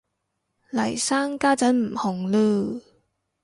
嚟生家陣唔紅嚕